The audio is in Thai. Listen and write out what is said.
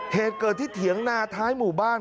เหตุเกิดที่เถียงนาท้ายหมู่บ้าน